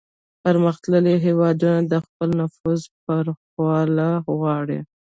پرمختللي هیوادونه د خپل نفوذ پراخول غواړي